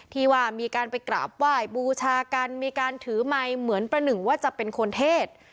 ที่ว่ามีการไปกราบไหว้บูชากันมีการถือไมค์เหมือนประหนึ่งว่าจะเป็นคนเทศ